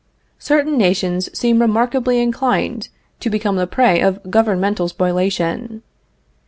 Certain nations seem remarkably inclined to become the prey of governmental spoliation.